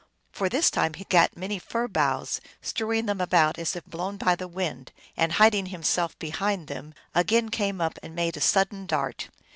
For this time he gat many fir boughs, strewing them about as if blown by the wind, and hiding him self behind them, again came up and made a sudden dart.